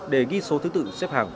để ghi số thứ tự xếp hàng